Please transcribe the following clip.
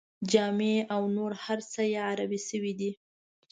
جامې او نور هر څه یې عربي شوي دي.